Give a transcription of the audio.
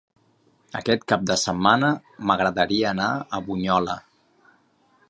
Aquest cap de setmana m'agradaria anar a Bunyola.